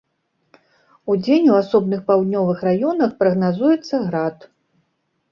Удзень у асобных паўднёвых раёнах прагназуецца град.